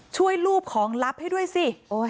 ช่วยลูบของรับให้ด้วยสิ